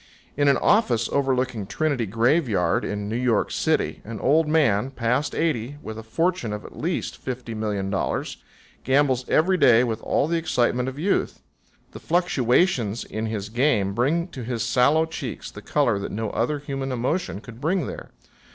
In an office overlooking Trinity graveyard, in New York City, an old man, past eighty, with a fortune of at least $50,000,000, gambles every day with all the excitement of youth. The fluctuations in his game bring to his sallow cheeks the color that no other human emotion could bring there.